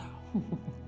apa kita saling kenal